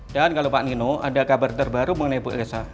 dan kalau pak nino ada kabar terbaru mengenai bu elsa